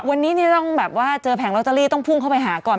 วันนี้ต้องแบบว่าเจอแผงลอตเตอรี่ต้องพุ่งเข้าไปหาก่อน